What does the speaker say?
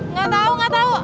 nggak tahu nggak tahu